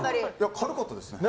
軽かったですね。